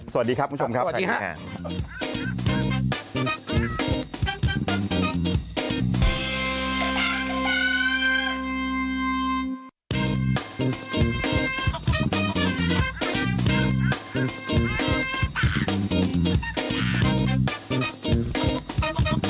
สวัสดีครับคุณผู้ชมครับสวัสดีครับ